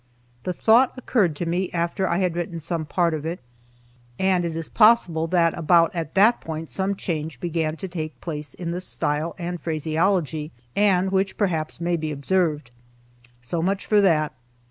The thought occurred to me after I had written some part of it, and it is possible that about at that point some change began to take place in the style, and phraseology, and which perhaps may be observed. So much for that.